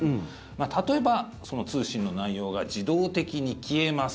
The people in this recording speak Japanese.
例えば、その通信の内容が自動的に消えます